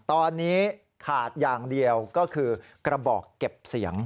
ตอนนี้ขาดอย่างเดียวก็คือกระบอกเก็บเสียง